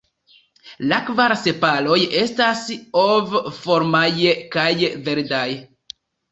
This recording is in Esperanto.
La kvar sepaloj estas ovformaj kaj verdaj.